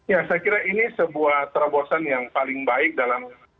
ya saya kira ini sebuah terobosan yang paling baik dalam